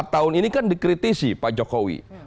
lima tahun ini kan dikritisi pak jokowi